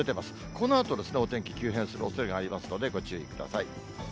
このあと、お天気急変するおそれがありますので、ご注意ください。